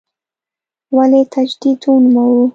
ولې تجدید ونوموو.